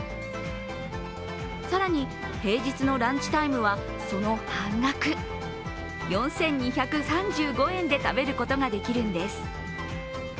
更に平日のランチタイムはその半額、４２３５円で食べることができるんです。